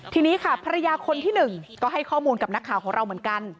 ทีนี้ค่ะภรรยาคนที่หนึ่งก็ให้ข้อมูลกับนักข่าวของเราเหมือนกัน